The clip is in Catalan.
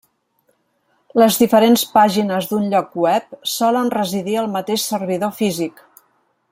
Les diferents pàgines d'un lloc web solen residir al mateix servidor físic.